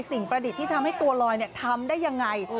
ประดิษฐ์ที่ทำให้ตัวลอยทำได้ยังไง